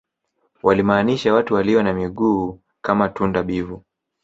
walimaanisha watu walio na miguu kama tunda bivu